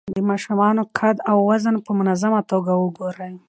د ماشومانو قد او وزن په منظمه توګه وګورئ.